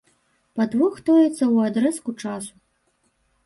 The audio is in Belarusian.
Падвох тоіцца ў адрэзку часу.